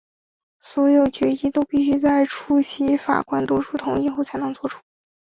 所有决议都必须在出席法官多数同意后才能做出。